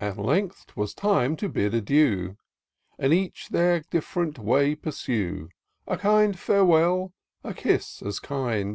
At length 'twas time to bid adieu. And each their diflTrent way pursue : A kind farewell, a kiss as kind.